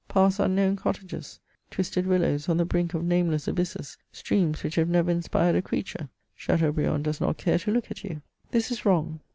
Pass unknown cottages ; twisted willows on the brink of nameless abysses, streams which have never inspired a creature — Chateaubriand does not care to look at vou. This is wrong.